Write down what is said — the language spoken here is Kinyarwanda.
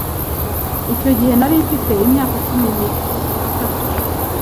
Icyo gihe nari mfite imyaka cumi nitatu